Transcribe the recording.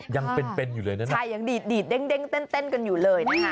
ยังเป็นอยู่เลยนะนะครับใช่ยังดีดเด้งเต้นกันอยู่เลยนะฮะ